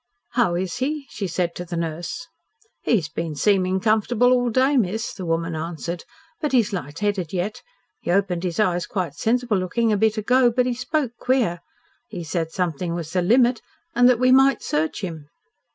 "How is he?" she said to the nurse. "He's been seeming comfortable all day, miss," the woman answered, "but he's light headed yet. He opened his eyes quite sensible looking a bit ago, but he spoke queer. He said something was the limit, and that we might search him."